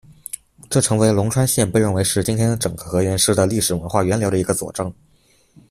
这成为龙川县被认为是今天整个河源市的历史文化源流的一个佐证。